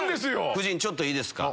夫人ちょっといいですか？